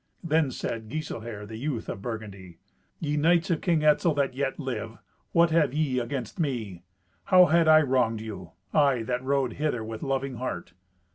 Then said Giselher, the youth, of Burgundy, "Ye knights of King Etzel that yet live, what have ye against me? How had I wronged you?—I that rode hither with loving heart?"